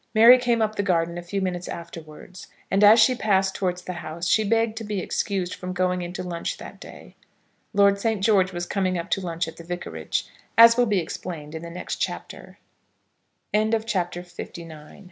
Mary came up the garden a few minutes afterwards, and as she passed towards the house, she begged to be excused from going into lunch that day. Lord St. George was coming up to lunch at the vicarage, as will be explained in the next chapter. CHAPTER LX. LORD ST. GEORGE IS VERY CUNNING.